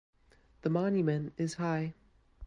The monument is high.